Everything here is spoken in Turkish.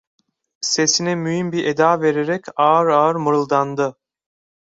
Sesine mühim bir eda vererek ağır ağır mırıldandı: